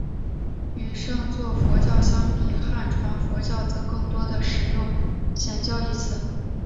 与上座部佛教相比汉传佛教则更多地使用显教一词。